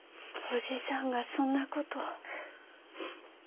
伯父さんがそんなことを。